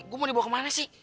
gue mau dibawa kemana sih